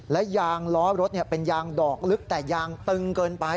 และยางล้อรถเป็นยางดอกลึกแต่ยางตึงเกินไป